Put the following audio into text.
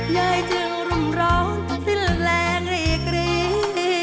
ยัยเจอรุ่นร้อนสิ้นแรงรีกรีก